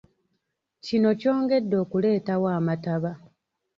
Kino kyongedde okuleetawo amataba.